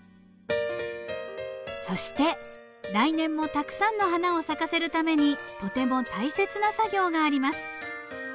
そして来年もたくさんの花を咲かせるためにとても大切な作業があります。